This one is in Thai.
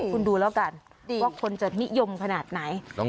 คุณดูแล้วกันว่าคนจะนิยมขนาดไหน